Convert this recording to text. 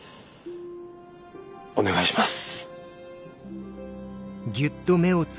お願いします。